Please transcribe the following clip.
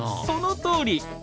そのとおり。